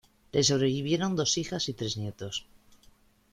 Le sobrevivieron dos hijas y tres nietos.